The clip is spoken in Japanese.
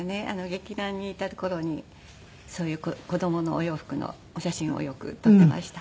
劇団にいた頃にそういう子供のお洋服のお写真をよく撮っていました。